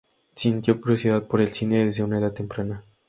Sintió curiosidad por el cine desde una edad temprana.